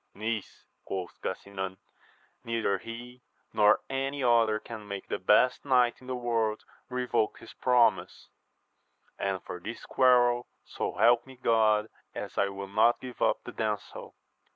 Niece, quoth Gasinan, neither he nor any other can make the best knight in the world revoke his promise ; and for this quarrel, so help me God, as I will not give up the damsel